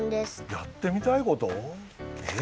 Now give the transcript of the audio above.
やってみたいこと？え？